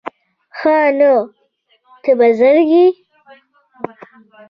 _ښه نو، ته بزرګ يې؟